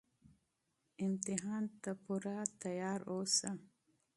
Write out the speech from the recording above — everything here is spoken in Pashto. امتحان ته پوره اماده اوسه